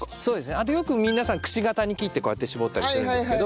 あとよく皆さんくし形に切ってこうやって搾ったりするんですけど。